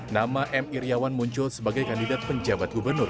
nama m iryawan muncul sebagai kandidat penjabat gubernur